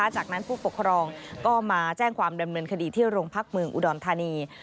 จากนั้นผู้ปกครองก็มาแจ้งความดำเนินคดีที่โรงพักเมืองอุดรธานี